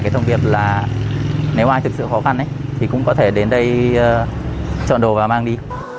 cái thông điệp là nếu ai thực sự khó khăn thì cũng có thể đến đây chọn đồ và mang đi